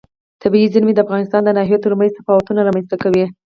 طبیعي زیرمې د افغانستان د ناحیو ترمنځ تفاوتونه رامنځ ته کوي.